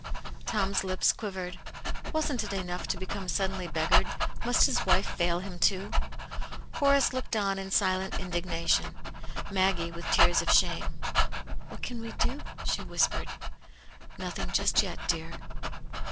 '* Tom*s lips quivered. Wasn't it enough to become* suddenly beggared ; must his wife fail him, too ? Horace looked on in silent indignation, Maggie* with tears of shame. "What can we do ?" she whispered; "Nothing just yet, dear."